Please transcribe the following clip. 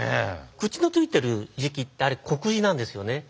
口の付いている「喰」ってあれ国字なんですよね。